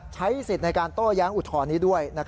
ใช้สิทธิ์ในการโต้แย้งอุทธรณ์นี้ด้วย